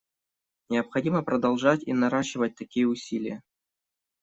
Необходимо продолжать и наращивать такие усилия.